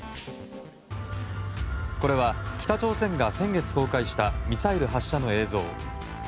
これは、北朝鮮が先月公開したミサイル発射の映像。